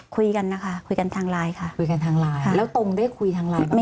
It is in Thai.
คุยกันนะคะคุยกันทางไลน์ค่ะคุยกันทางไลน์แล้วตรงได้คุยทางไลน์บ้างไหม